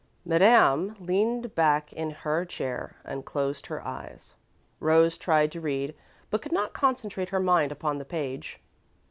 Madame leaned back in her chair and closed her eyes. Rose tried to read, but could not concentrate her mind upon the page.